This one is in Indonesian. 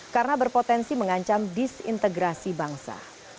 karena berpotensi mengancam disintegrasi bangsa